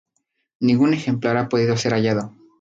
Ningún ejemplar ha podido ser hallado.